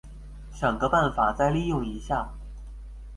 想個辦法再利用一下